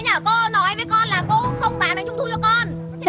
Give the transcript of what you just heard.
cô nói với con là cô không bán bánh trung thu cho con